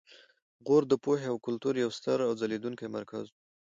غور د پوهې او کلتور یو ستر او ځلیدونکی مرکز و